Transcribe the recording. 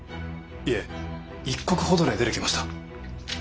いえ一刻ほどで出てきました。